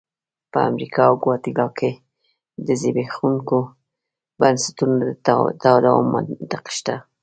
په امریکا او ګواتیلا کې د زبېښونکو بنسټونو د تداوم منطق شته.